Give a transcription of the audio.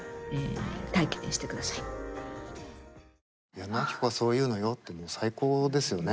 矢野顕子がそう言うのよってもう最高ですよね。